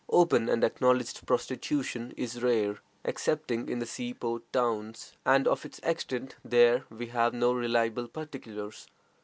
Open and acknowledged prostitution is rare, excepting in the sea port towns, and of its extent there we have no reliable particulars.